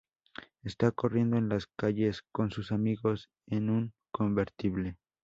Está corriendo en las calles con sus amigos en un convertible.